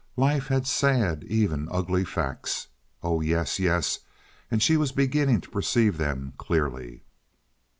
Life had sad, even ugly facts. Oh yes, yes, and she was beginning to perceive them clearly.